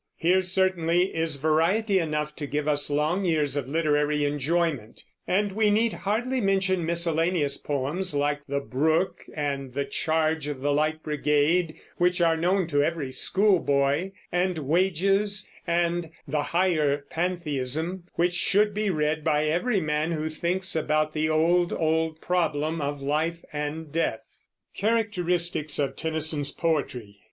Here certainly is variety enough to give us long years of literary enjoyment; and we need hardly mention miscellaneous poems, like "The Brook" and "The Charge of the Light Brigade," which are known to every schoolboy; and "Wages" and "The Higher Pantheism," which should be read by every man who thinks about the old, old problem of life and death. CHARACTERISTICS OF TENNYSON'S POETRY.